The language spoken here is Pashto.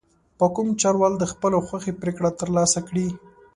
په کوم چل ول د خپلې خوښې پرېکړه ترلاسه کړي.